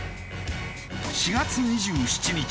４月２７日。